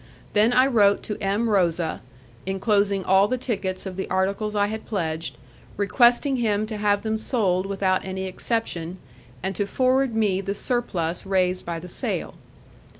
Then I wrote to M. Rosa, enclosing all the tickets of the articles I had pledged, requesting him to have them sold without any exception, and to forward me the surplus raised by the sale.